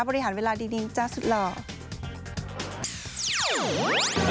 บริหารเวลาดีนะจ๊ะสุดหล่อ